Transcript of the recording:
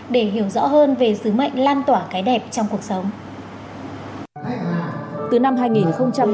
để hiểu rõ hơn về sứ mệnh lan tỏa cái đẹp trong cuộc sống